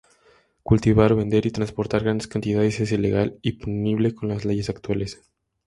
Cultivar, vender y transportar grandes cantidades es ilegal y punible con las leyes actuales.